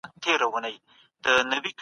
ابن خلدون تاريخي تحليل کوي.